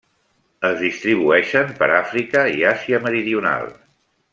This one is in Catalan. Es distribueixen per Àfrica i Àsia Meridional.